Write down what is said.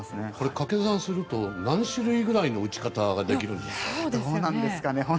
掛け算すると何種類くらいの打ち方ができるんですか？